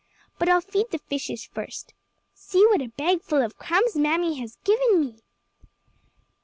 But I'll feed the fishes first. See what a bag full of crumbs mammy has given me."